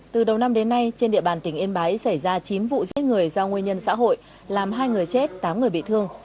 từ đầu năm đến nay trên địa bàn tỉnh yên bái xảy ra chín vụ giết người do nguyên nhân xã hội làm hai người chết tám người bị thương